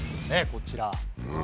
こちら。